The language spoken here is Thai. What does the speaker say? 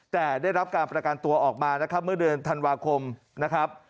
แต่ได้รับการประกันตัวออกมานะครับเมื่อเดือนธันวาคมนะครับ